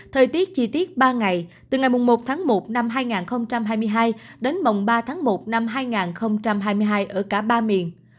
thời tiết chi tiết ba ngày từ ngày một một hai nghìn hai mươi hai đến ba một hai nghìn hai mươi hai ở cả ba miền